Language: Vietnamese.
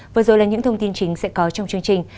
vừa rồi là những thông tin chính sẽ có trong chương trình